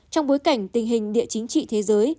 trong bối cảnh tình hình địa chính trị thế giới